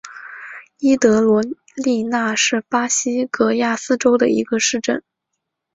伊德罗利纳是巴西戈亚斯州的一个市镇。